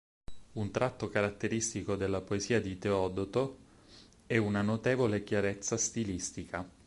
Un tratto caratteristico della poesia di Teodoto è una notevole chiarezza stilistica.